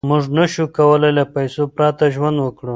موږ نشو کولای له پیسو پرته ژوند وکړو.